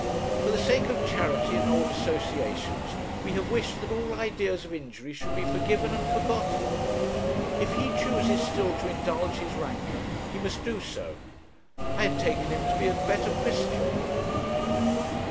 For the sake of charity and old associations we have wished that all ideas of injury should be forgiven and forgotten. If he chooses still to indulge his rancour, he must do so. I had taken him to be a better Christian.'